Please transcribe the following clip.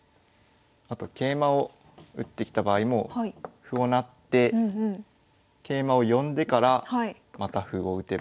あと桂馬を打ってきた場合も歩を成って桂馬を呼んでからまた歩を打てば。